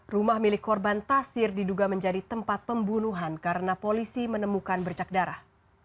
rumah milik korban tasir diduga menjadi tempat pembunuhan karena polisi menemukan bercak darah